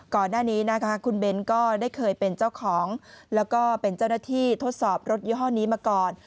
ก่อนหน้านี้นะคะคุณเบ้นก็ได้เคยเป็นเจ้าของแล้วก็เป็นเจ้าหน้าที่ทดสอบรถยี่ห้อนี้มาก่อน